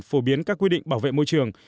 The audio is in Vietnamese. phổ biến các quy định bảo vệ môi trường